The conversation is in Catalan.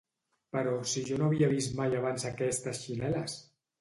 —Però si jo no havia vist mai abans aquestes xinel·les.